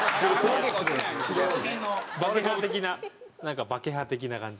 バケハ的ななんかバケハ的な感じ。